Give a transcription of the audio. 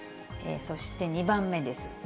そして２番目です。